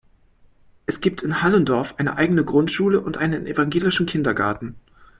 Es gibt in Hallendorf eine eigene Grundschule und einen Evangelischen Kindergarten.